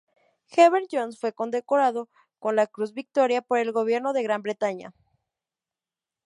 Herbert Jones fue condecorado con la cruz Victoria por el gobierno de Gran Bretaña.